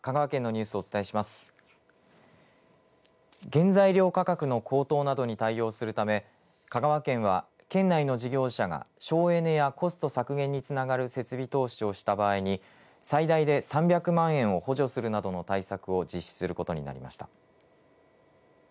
原材料価格の高騰などに対応するため香川県は、県内の事業者が省エネやコスト削減につながる設備投資をした場合に最大で３００万円を補助するなどの対策を実施することになりました。